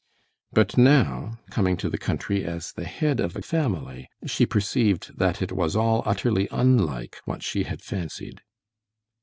But now coming to the country as the head of a family, she perceived that it was all utterly unlike what she had fancied.